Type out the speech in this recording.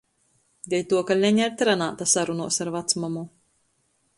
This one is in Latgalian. Deļtuo, ka Lene ir trenāta sarunuos ar vacmamu.